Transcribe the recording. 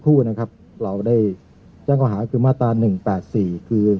ครู่นะครับเราได้จ้างก็หาคือมาตราหนึ่งแปดสี่คือ